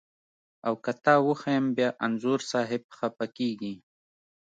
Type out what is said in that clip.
او که تا وښیم بیا انځور صاحب خپه کږي.